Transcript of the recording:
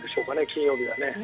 金曜日はね。